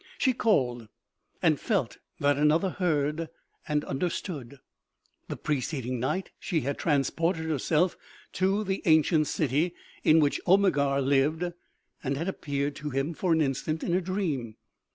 She called, and felt that another heard and understood. The preceding night she had transported herself to the an cient city in which Omegar lived, and had appeared to him for an instant in a dream.